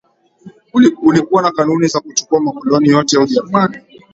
ulikuwa na kanuni za kuchukua makoloni yote ya Ujerumani